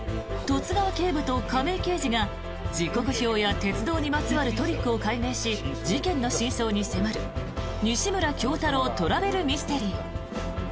十津川警部と亀井刑事が時刻表や鉄道にまつわるトリックを解明し事件の真相に迫る「西村京太郎トラベルミステリー」。